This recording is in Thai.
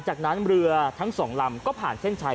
เฮ้ยเฮ้ยเฮ้ยเฮ้ย